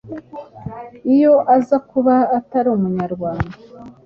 iyo aza kuba atari Umunyarwanda.